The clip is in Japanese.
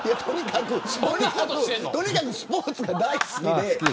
とにかくスポーツが大好きで。